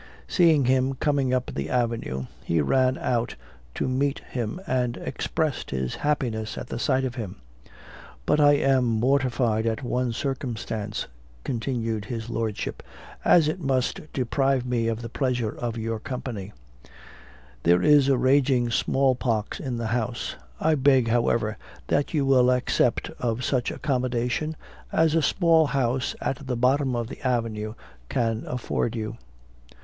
Seeing him coming up the avenue, he ran out to meet him, and expressed his happiness at the sight of him. "But I am mortified at one circumstance," continued his lordship, "as it must deprive me of the pleasure of your company; there is a raging small pox in the house: I beg, however, that you will accept of such accommodation as a small house at the bottom of the avenue can afford you."